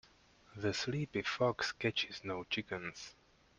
The sleepy fox catches no chickens.